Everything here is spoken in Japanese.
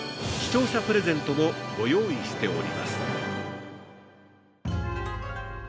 視聴者プレゼントもご用意しております。